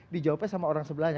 dijawabnya sama orang sebelahnya